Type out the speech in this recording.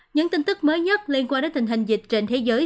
những tin tức mới nhất liên quan đến tình hình dịch trên thế giới